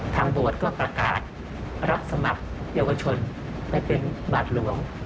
ทางโบสถ์ก็ประกาศเหละสมัครอย่างคนชนไปเป็นบัตรหลวง